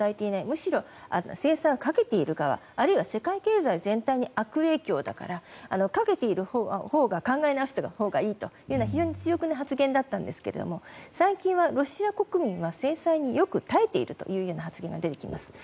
むしろ、制裁をかけている側あるいは世界経済全体に悪影響だからかけているほうが考え直したほうがいいと非常に強気な発言でしたが最近はロシア国民は制裁によく耐えているという発言が出ています。